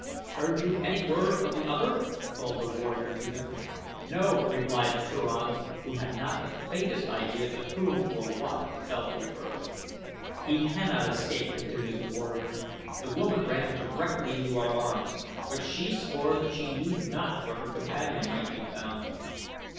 "Heard you any word of the other?" called the warrior to him. "No," replied Turan, who had not the faintest idea to whom or what the fellow referred. "He cannot escape," continued the warrior. "The woman ran directly into our arms, but she swore that she knew not where her companion might be found."